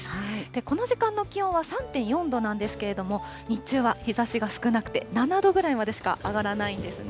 この時間の気温は３．４度なんですけれども、日中は日ざしが少なくて、７度ぐらいまでしか上がらないんですね。